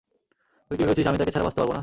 তুই কি ভেবেছিস আমি তাকে ছাড়া বাঁচতে পারবো না?